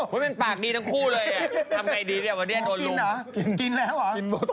มันปากดีทั้งคู่เลยทำไงดีวันนี้โดนลง